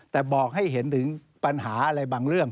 แต่บอกให้เห็นถึงปัญหาอะไรบางเรื่อง